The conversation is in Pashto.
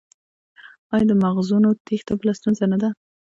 آیا د مغزونو تیښته بله ستونزه نه ده؟